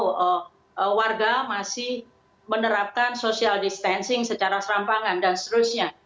kalau warga masih menerapkan social distancing secara serampangan dan seterusnya